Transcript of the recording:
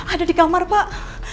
ada di kamar pak